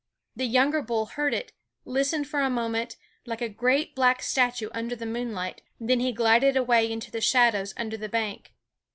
The younger bull heard it; listened for a moment, like a great black statue under the moonlight; then he glided away into the shadows under the bank.